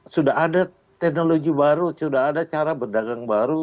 sudah ada teknologi baru sudah ada cara berdagang baru